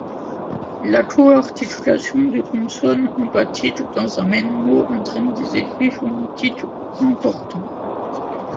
La coarticulation de consonnes emphatiques dans un même mot entraine des effets phonétiques importants.